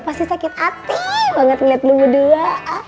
pasti sakit hati banget liat lu berdua